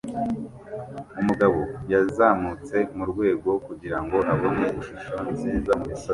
Umugabo yazamutse murwego kugirango abone ishusho nziza mumisozi